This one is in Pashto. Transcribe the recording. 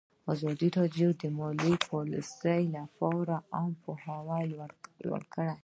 ازادي راډیو د مالي پالیسي لپاره عامه پوهاوي لوړ کړی.